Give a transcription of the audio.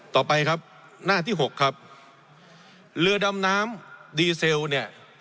ต่อไปครับหน้าที่หกครับเรือดำน้ำดีเซลเนี่ย